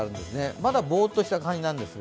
まだぼーっとした感じなんですが。